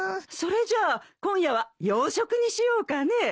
それじゃあ今夜は洋食にしようかね。